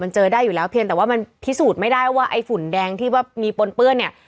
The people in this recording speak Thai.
มันเจอได้อยู่แล้วเพียงแต่ว่ามันพิสูจน์ไม่ได้ว่าไอ้ฝุ่นแดงที่ว่ามีปนเปื้อนเนี่ย